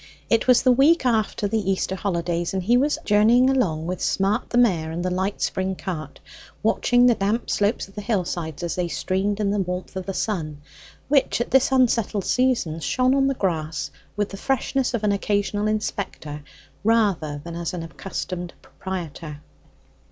It was the week after the Easter holidays, and he was journeying along with Smart the mare and the light spring cart, watching the damp slopes of the hill sides as they streamed in the warmth of the sun, which at this unsettled season shone on the grass with the freshness of an occasional inspector rather than as an accustomed proprietor.